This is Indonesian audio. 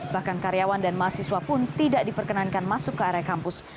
bahkan karyawan dan mahasiswa pun tidak diperkenankan masuk ke area kampus